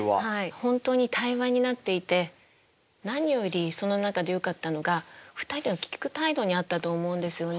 本当に対話になっていて何よりその中でよかったのが２人は聞く態度にあったと思うんですよね。